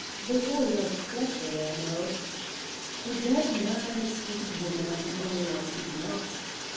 They all like flattery, I know " "A dead man and a stupid woman are the only ones who do not.